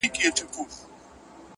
کرۍ ورځ یم وږې تږې ګرځېدلې-